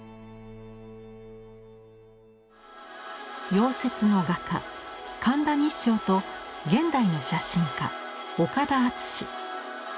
夭折の画家神田日勝と現代の写真家岡田敦。